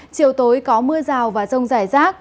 chiều tối có mưa rào và rông rải rác